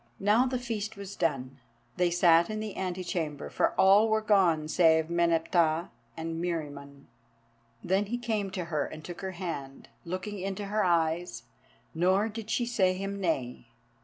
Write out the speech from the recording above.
Now the feast was done. They sat in the ante chamber, for all were gone save Meneptah and Meriamun. Then he came to her and took her hand, looking into her eyes, nor did she say him nay.